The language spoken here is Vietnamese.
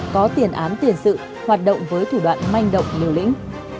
có tiền án tiền sự hoạt động với thủ đoạn manh động liều lĩnh